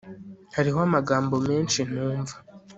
hariho amagambo menshi ntumva